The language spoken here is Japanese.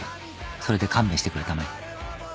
それで勘弁してくれたまえ」